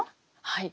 はい。